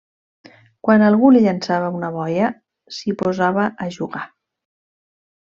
Quan algú li llançava una boia, s'hi posava a jugar.